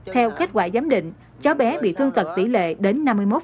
theo kết quả giám định cháu bé bị thương tật tỷ lệ đến năm mươi một